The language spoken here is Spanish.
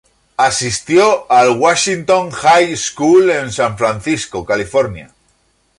Asistió al Washington High School en San Francisco, California.